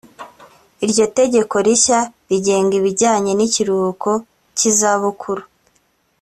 Iryo tegeko rishya rigenga ibijyanye n’ikiruhuko cy’izabukuru